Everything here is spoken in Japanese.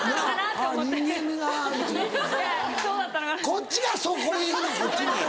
こっちがそこに言うねんこっちに。